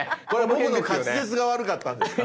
僕の滑舌が悪かったんですかね。